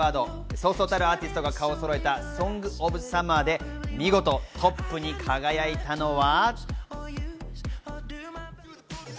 そうそうたるアーティストが顔をそろえたソング・オブ・サマーで見事トップに輝いたのは。